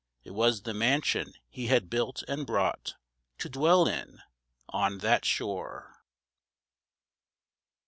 It was the mansion he had built and brought To dwell in, on that shore.